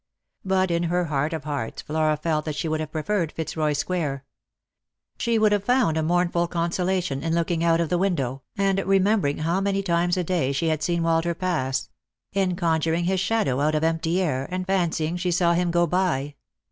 But in her heart of hearts Flora felt that she would have preferred Fitzroy square. She would have found a mournful consolation in looking out of the window, and remembering how many times a day she had seen Walter pass — in conjuring his shadow out of empty air, and fancying she saw him go by.